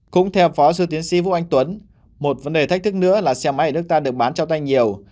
cũng theo phó sư tiến sĩ vũ anh tuấn một vấn đề thách thức nữa là xe máy ở nước ta được bán trao tay nhiều